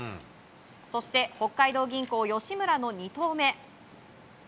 そして北海道銀行、吉村の２投目。